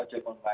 ya jangan sampai